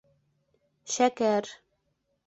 Шәкәр